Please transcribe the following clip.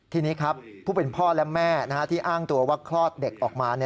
ทีนี้ครับผู้เป็นพ่อและแม่ที่อ้างตัวว่าคลอดเด็กออกมา